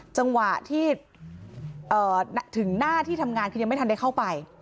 จังหวะที่ถึงหน้าที่ทำงานคือยังไม่ทันได้เข้าไป